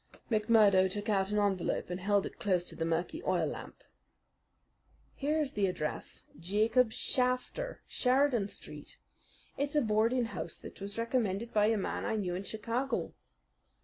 McMurdo took out an envelope and held it close to the murky oil lamp. "Here is the address Jacob Shafter, Sheridan Street. It's a boarding house that was recommended by a man I knew in Chicago."